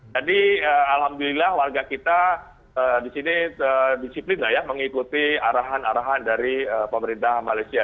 jadi alhamdulillah warga kita disini disiplin mengikuti arahan arahan dari pemerintah malaysia